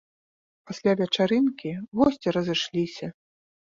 Пасля вечарынкі госці разышліся.